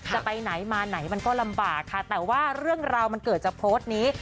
จะไปไหนมาไหนมันก็ลำบากค่ะแต่ว่าเรื่องราวมันเกิดจากโพสต์นี้